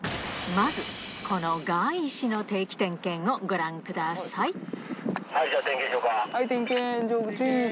まずご覧ください